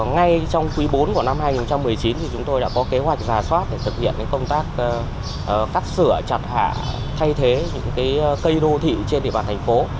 ngay trong quý bốn của năm hai nghìn một mươi chín chúng tôi đã có kế hoạch giả soát để thực hiện công tác cắt sửa chặt hạ thay thế những cây đô thị trên địa bàn thành phố